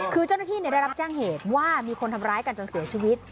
คือเจ้าหน้าที่ได้รับแจ้งเหตุว่ามีคนทำร้ายกันจนเสียชีวิต